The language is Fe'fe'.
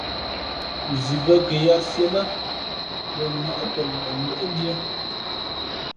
Zi bᾱ kαyǎt sīē lά, lα ŋάʼ pα nlak ndóʼndʉ̄ᾱ.